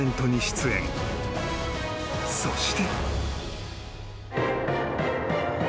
［そして］